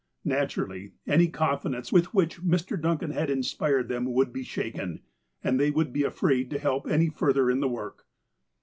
Naturally, any confidence with which Mr. Duncan had inspired them would be shaken, and they would be afraid to help any further in the work.